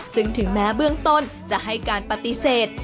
ซึ่งถึงแม้เบื้องต้นจะให้การปฏิเสธ